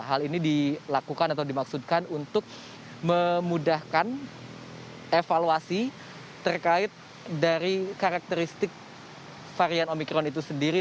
hal ini dilakukan atau dimaksudkan untuk memudahkan evaluasi terkait dari karakteristik varian omikron itu sendiri